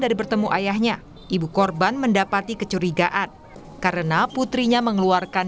dari bertemu ayahnya ibu korban mendapati kecurigaan karena putrinya mengeluarkan